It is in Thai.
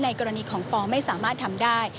กรณีของปอไม่สามารถทำได้